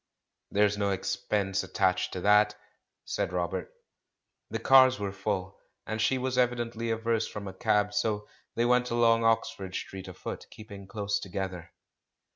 "There's no expense attached to that," said Robert. The cars were full, and she was evidently averse from a cab; so they went along Oxford Street afoot, keeping close together.